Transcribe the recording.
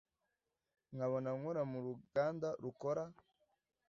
nkabona nkora muruganda rukora